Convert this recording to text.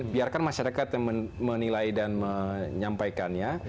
biarkan masyarakat yang menilai dan menyampaikannya